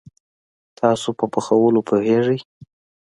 تاسو په پخولوو پوهیږئ؟